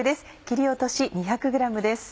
切り落とし２００ｇです。